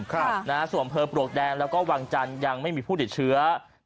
ครับนะฮะส่วนอำเภอปลวกแดงแล้วก็วังจันทร์ยังไม่มีผู้ติดเชื้อ